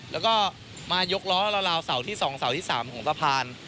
แล้วก็มายกล้อราวเสาที่๒เสาที่๓ของสะพาน